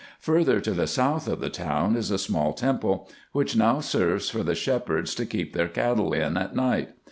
Further to the south of the town is a small temple, which now serves for the shepherds to keep their cattle in at night.